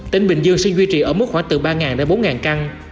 tỉnh bình dương sẽ duy trì ở mức khoảng từ ba đến bốn căn